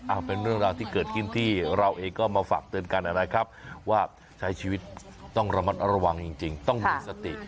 เอาเป็นเรื่องราวที่เกิดขึ้นที่เราเองก็มาฝากเตือนกันนะครับว่าใช้ชีวิตต้องระมัดระวังจริงต้องมีสติ